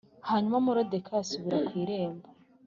Hanyuma Moridekayi asubira ku irembo